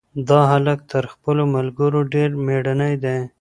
دا هلک تر خپلو ملګرو ډېر مېړنی دی.